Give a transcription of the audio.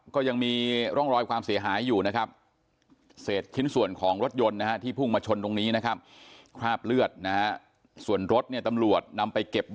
ก็ยังมีร่องรอยความเสียหายอยู่นะครับ